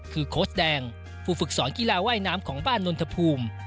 คือโค้ชแดงผู้ฝึกสอนกีฬาว่ายน้ำของบ้านนนทภูมิ